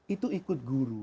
itu ikut guru